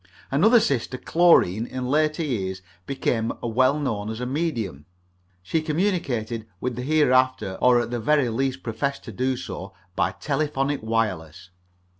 Another sister, Chlorine, in later years became well known as a medium. She communicated with the hereafter, or at the very least professed to do so, by telephonic wireless.